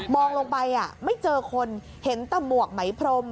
องลงไปไม่เจอคนเห็นแต่หมวกไหมพรม